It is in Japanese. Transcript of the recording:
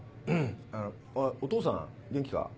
あのお義父さん元気か？